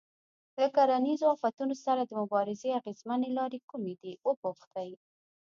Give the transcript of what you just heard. له کرنیزو آفتونو سره د مبارزې اغېزمنې لارې کومې دي وپوښتئ.